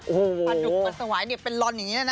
ปลาดุกมันสวายเป็นรอนอย่างนี้นะ